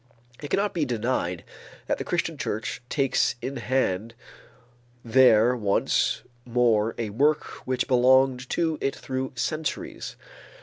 It cannot be denied that the Christian church takes in hand there once more a work which belonged to it through centuries.